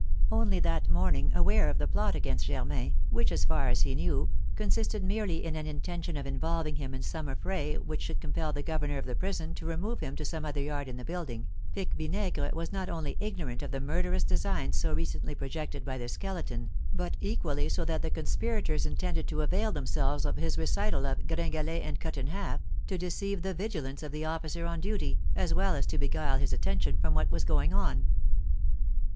Only that morning aware of the plot against Germain, which, as far as he knew, consisted merely in an intention of involving him in some affray which should compel the governor of the prison to remove him to some other yard in the building, Pique Vinaigre was not only ignorant of the murderous designs so recently projected by the Skeleton, but equally so that the conspirators intended to avail themselves of his recital of "Gringalet and Cut in Half" to deceive the vigilance of the officer on duty, as well as to beguile his attention from what was going on.